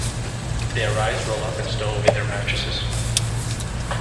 They arise, roll up and stow away their mattresses.